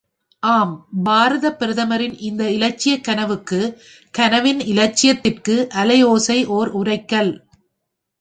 ஆம் பாரதப்பிரதமரின் இந்த இலட்சியக் கனவுக்கு கனவின் இலட்சியத்திற்கு அலைஓசை ஓர் உரைகல்!